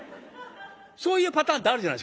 そういうパターンってあるじゃないですか。